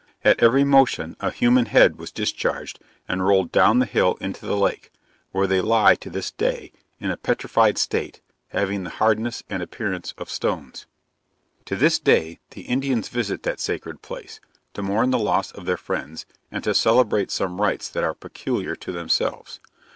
At every motion, a human head was discharged, and rolled down the hill into the lake, where they lie at this day, in a petrified state, having the hardness and appearance of stones. To this day the Indians visit that sacred place, to mourn the loss of their friends, and to celebrate some rites that are peculiar to themselves.